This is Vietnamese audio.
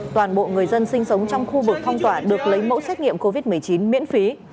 toàn bộ người dân sinh sống trong khu vực phong tỏa được lấy mẫu xét nghiệm covid một mươi chín miễn phí